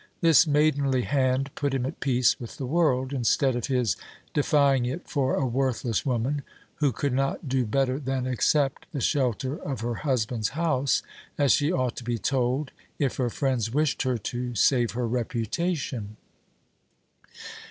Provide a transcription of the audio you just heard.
This maidenly hand put him at peace with the world, instead of his defying it for a worthless woman who could not do better than accept the shelter of her husband's house, as she ought to be told, if her friends wished her to save her reputation.